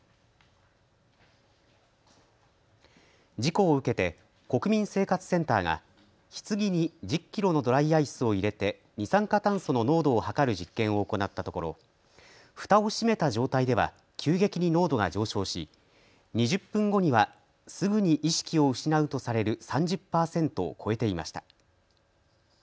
事故を受けて国民生活センターがひつぎに１０キロのドライアイスを入れて二酸化炭素の濃度を測る実験を行ったところふたを閉めた状態では急激に濃度が上昇し２０分後にはすぐに意識を失うとされる３０％を超えていました。